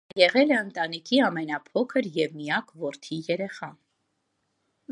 Նա եղել է ընտանիքի ամենափոքր և միակ որդի երեխան։